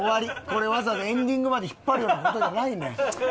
これわざわざエンディングまで引っ張るような事じゃないねん。